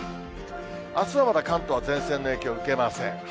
あすはまだ関東は前線の影響受けません。